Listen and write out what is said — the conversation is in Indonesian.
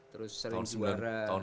terus sering juara